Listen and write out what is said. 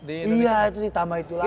iya itu ditambah itu lagi